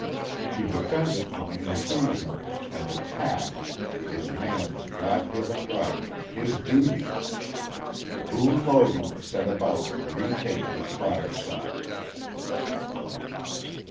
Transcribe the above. To defend it from intrusion and attack is man's God given right, his duty; Boone Logan set about to retake his fireside.